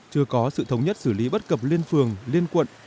chưa có sự thống nhất xử lý bất cập liên phường liên quận